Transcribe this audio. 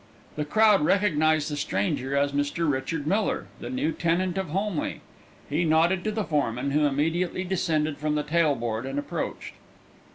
The crowd recognised the stranger as Mr. Richard Miller, the new tenant of Holmleigh. He nodded to the foreman, who immediately descended from the tail board and approached.